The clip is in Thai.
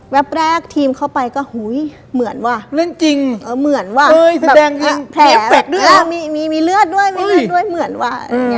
แวปแรกทีมเข้าไปก็เหมือนว่าเหมือนว่าแผลมีเลือดด้วยเหมือนว่า